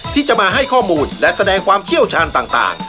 ที่จะมาให้ข้อมูลและแสดงความเชี่ยวชาญต่าง